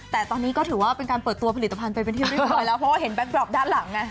แต่ตอนนี้ก็ถือว่าเป็นการเปิดตัวผลิตภัณฑ์ไปเป็นที่เรียบร้อยแล้วเพราะว่าเห็นแก๊กดรอปด้านหลังไง